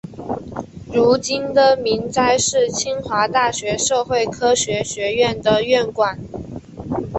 如今的明斋是清华大学社会科学学院的院馆。